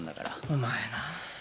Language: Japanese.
お前な。